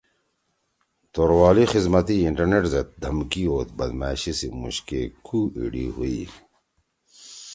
توروالی خزمتی انٹرنیٹ زید دھمکی او بدمأشی سی مُوش کے کُو ایِڑی ہُوئی۔